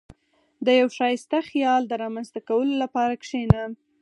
• د یو ښایسته خیال د رامنځته کولو لپاره کښېنه.